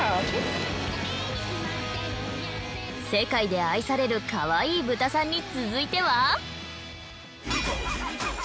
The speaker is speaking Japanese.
世界で愛されるかわいい豚さんに続いては。